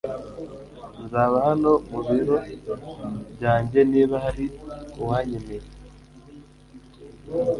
Nzaba hano mubiro byanjye niba hari uwankeneye.